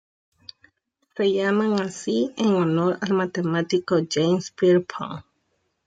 Se llaman así en honor al matemático James Pierpont.